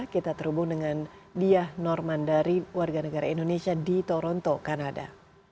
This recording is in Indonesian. kita terhubung dengan diah normandari warga negara indonesia di toronto kanada